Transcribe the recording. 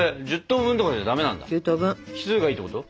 奇数がいいってこと？